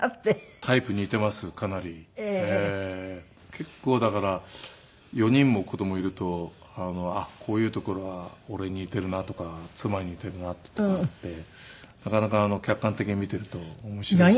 結構だから４人も子供いるとあっこういうところは俺に似ているなとか妻に似ているなっていうとこがあってなかなか客観的に見ていると面白いですね。